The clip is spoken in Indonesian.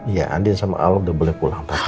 iya andin sama al udah boleh pulang tapi